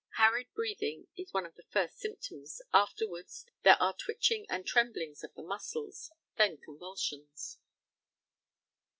Harried breathing is one of the first symptoms, afterwards there are twitching and tremblings of the muscles, then convulsions.